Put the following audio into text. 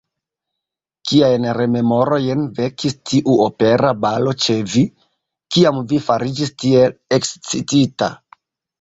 Kiajn rememorojn vekis tiu opera balo ĉe vi, kiam vi fariĝis tiel ekscitita?